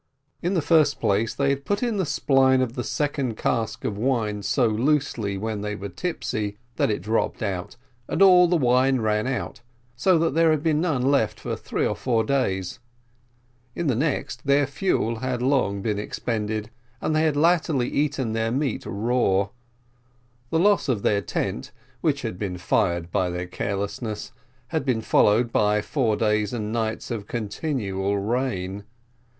In the first place, they had put in the spile of the second cask of wine so loosely when they were tipsy that it dropped out, and all the wine ran out, so that there had been none left for three or four days; in the next, their fuel had long been expended, and they had latterly eaten their meat raw; the loss of their tent, which had been fired by their carelessness, had been followed by four days and nights of continual rain.